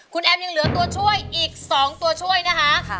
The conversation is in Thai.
คุณแอมยังเหลือตัวช่วยอีก๒ตัวช่วยนะคะ